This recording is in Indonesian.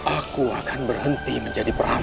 aku akan berhenti menjadi perahu